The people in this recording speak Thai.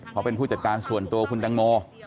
เพราะเป็นผู้จัดการส่วนตัวคุณตังโม